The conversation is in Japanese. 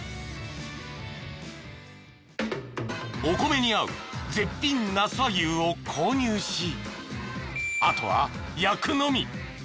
［お米に合う絶品那須和牛を購入しあとは焼くのみ］